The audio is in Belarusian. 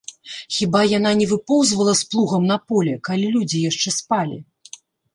Хіба яна не выпоўзвала з плугам на поле, калі людзі яшчэ спалі?